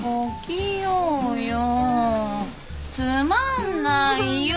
つまんないよ。